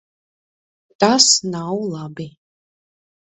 Tas nav labi.